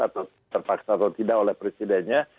atau terpaksa atau tidak oleh presidennya